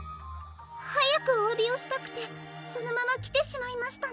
はやくおわびをしたくてそのままきてしまいましたの。